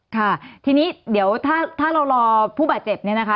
ค่ะทีนี้เดี๋ยวถ้าเรารอผู้บาดเจ็บเนี่ยนะคะ